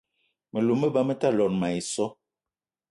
Me lou me ba me ta lot mayi so.